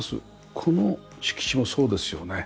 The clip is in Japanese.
この敷地もそうですよね。